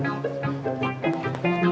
disebut wisiny until